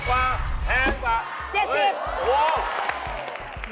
โอ้โอ้โอ้